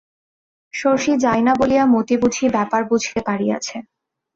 শশী যায় না বলিয়া মতি বুঝি ব্যাপার বুঝিতে পারিয়াছে।